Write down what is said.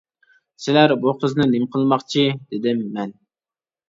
-سىلەر بۇ قىزنى نېمە قىلماقچى؟ -دېدىم مەن.